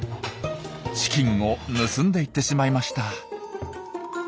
チキンを盗んでいってしまいました。